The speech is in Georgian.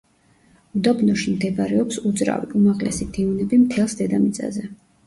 უდაბნოში მდებარეობს უძრავი, უმაღლესი დიუნები მთელს დედამიწაზე.